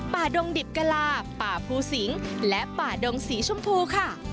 ดงดิบกะลาป่าภูสิงและป่าดงสีชมพูค่ะ